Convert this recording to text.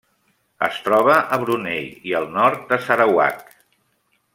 Es troba a Brunei i al nord de Sarawak.